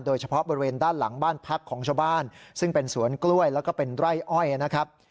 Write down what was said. โดยเฉพาะบริเวณด้านหลังบ้านพักของชาวบ้านซึ่งเป็นสวนกล้วยแล้วก็เป็นไร่อ้อยนะครับ